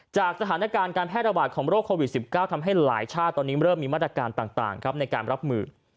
สถานการณ์การแพร่ระบาดของโรคโควิด๑๙ทำให้หลายชาติตอนนี้เริ่มมีมาตรการต่างครับในการรับมือ